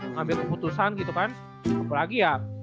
ngambil keputusan gitu kan apalagi ya